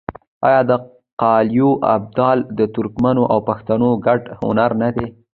آیا د قالیو اوبدل د ترکمنو او پښتنو ګډ هنر نه دی؟